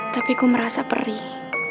tapi ku merasa perih